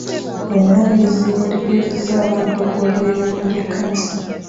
Omulabirizi yategezezza abantu okuwagira emirimu gy'ekkanisa.